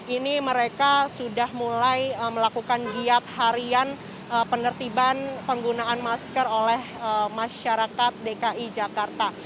ini mereka sudah mulai melakukan giat harian penertiban penggunaan masker oleh masyarakat dki jakarta